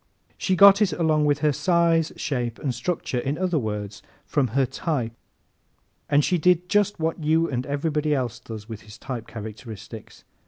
She got it along with her size, shape and structure in other words, from her type and she did just what you and everybody else does with his type characteristics.